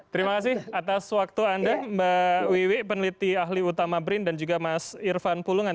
terima kasih atas waktu anda mbak wiwi peneliti ahli utama brin dan juga mas irfan pulungan